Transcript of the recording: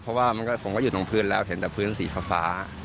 เพราะว่าผมก็อยู่ตรงพื้นแล้วเห็นแต่พื้นสีฟ้า